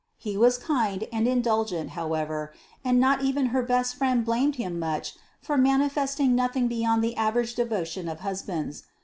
He was kind and indulgent however, and not even her best friend blamed him much for manifesting nothing beyond the average devotion of husbands.